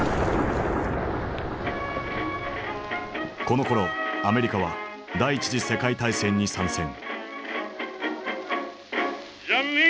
このころアメリカは第一次世界大戦に参戦。